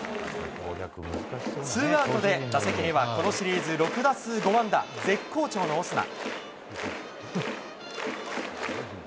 ツーアウトで打席にはこのシリーズ６打数５安打、絶好調のオスナ。